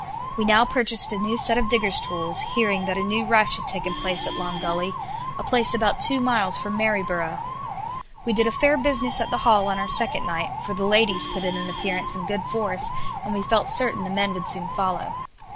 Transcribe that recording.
We now purchased a new set of digger's tools, hearing that a new rush had taken place at Long Gully, a place about two miles from Maryborough. We did a fair business at the hall on our second night, for the ladies put in an appearance in good force, and we felt certain the men would soon follow.